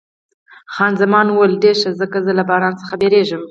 خان زمان وویل، ډېر ښه، ځکه زه له باران څخه بیریږم.